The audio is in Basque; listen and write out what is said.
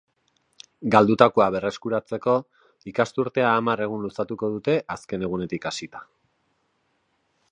Galdutakoa berreskuratzeko, ikasturtea hamar egun luzatuko dute azken egunetik hasita.